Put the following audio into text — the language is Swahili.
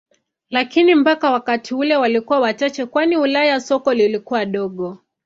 Lakini mpaka wakati ule walikuwa wachache kwani Ulaya soko lilikuwa dogo.